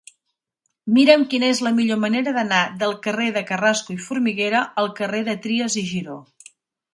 Mira'm quina és la millor manera d'anar del carrer de Carrasco i Formiguera al carrer de Trias i Giró.